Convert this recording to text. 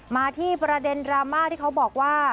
มาที่ประเด็นดราม่าที่เขาบอกว่า